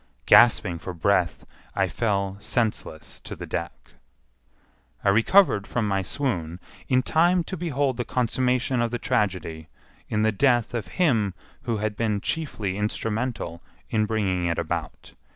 Gasping for breath, I fell senseless to the deck. I recovered from my swoon in time to behold the consummation of the tragedy in the death of him who had been chiefly instrumental in bringing it about.